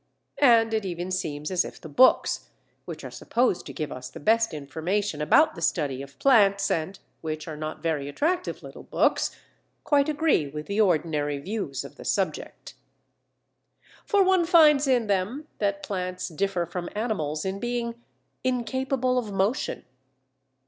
And it even seems as if the books, which are supposed to give us the best information about the study of plants, and which are not very attractive little books, quite agree with the ordinary views of the subject. For one finds in them that plants differ from animals in being "incapable of motion."